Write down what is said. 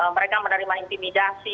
mereka menerima intimidasi